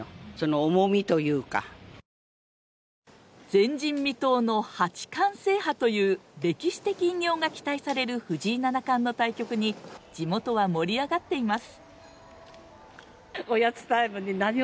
前人未到の八冠制覇という歴史的偉業が期待される藤井七冠の対局に地元は盛り上がっています。